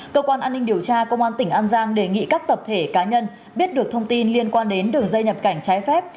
cơ quan an ninh điều tra công an tỉnh an giang đề nghị các tập thể cá nhân biết được thông tin liên quan đến đường dây nhập cảnh trái phép